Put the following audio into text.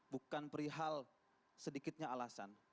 bukan perihal sedikitnya alasan